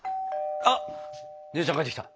あっ姉ちゃん帰ってきた。